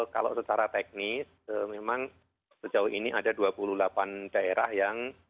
kalau secara teknis memang sejauh ini ada dua puluh delapan daerah yang